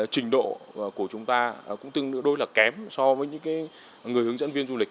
trình độ của chúng ta cũng tương đối là kém so với những người hướng dẫn viên du lịch